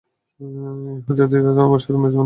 ইহুদী অতিথিরা ধন্যবাদস্বরূপ মেজবানদের শরাব পান করায়।